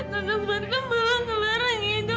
dan nombornya belum kelarang edo